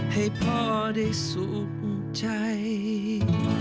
ให้พ่อได้สุขใจ